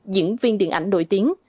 diễn viên điện ảnh nổi tiếng